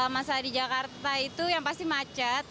masalah di jakarta itu yang pasti macet